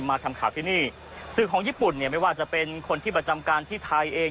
มาทำข่าวที่นี่สื่อของญี่ปุ่นเนี่ยไม่ว่าจะเป็นคนที่ประจำการที่ไทยเอง